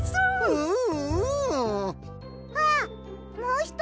うん。